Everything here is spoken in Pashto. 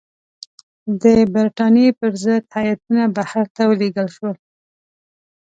د برټانیې پر ضد هیاتونه بهر ته ولېږل شول.